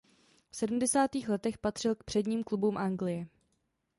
V sedmdesátých letech patřil k předním klubům Anglie.